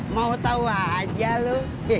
mau tau aja lu